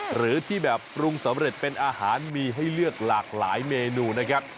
หรือที่แบบปรุงสำเร็จเป็นอาหารมีให้เลือกหลากหลายเมนูนะครับ